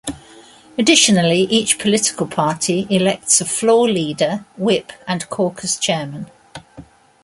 Additionally, each political party elects a floor leader, whip, and caucus chairman.